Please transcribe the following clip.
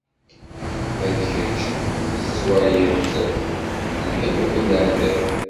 Ma d kečč, tettwaliḍ-d lḥif akked leɛtab.